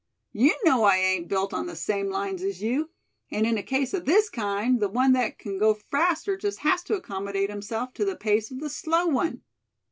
"You know I ain't built on the same lines as you; and in a case of this kind, the one that c'n go faster just has to accommodate himself to the pace of the slow one.